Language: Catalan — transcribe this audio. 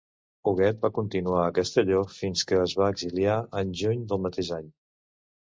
Huguet va continuar a Castelló fins que es va exiliar en juny del mateix any.